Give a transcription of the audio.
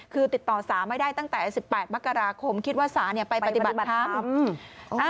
คือติดต่อสาไม่ได้ตั้งแต่๑๘มกราคมคิดว่าสาไปปฏิบัติธรรม